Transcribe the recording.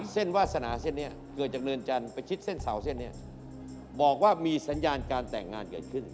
วาสนาเส้นนี้เกิดจากเนินจันทร์ไปชิดเส้นเสาเส้นนี้บอกว่ามีสัญญาณการแต่งงานเกิดขึ้น